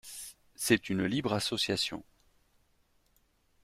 C’est une libre association.